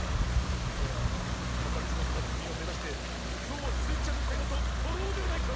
それではかたちのたつじんをめざしてきょうはスイちゃんのてがたをとろうではないか！